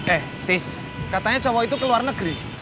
eh tis katanya jawa itu ke luar negeri